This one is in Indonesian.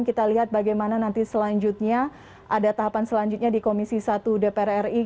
kita lihat bagaimana nanti selanjutnya ada tahapan selanjutnya di komisi satu dpr ri